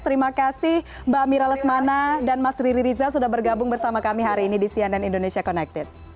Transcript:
terima kasih mbak mira lesmana dan mas riri riza sudah bergabung bersama kami hari ini di cnn indonesia connected